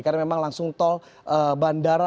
karena memang langsung tol bandara